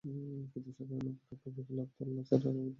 কিন্তু সাগরে নৌকাটি ডুবে গেলে আবদুল্লাহ ছাড়া বাকি তিনজন মারা যায়।